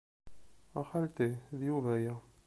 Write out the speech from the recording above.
A xalti, d Yuba aya.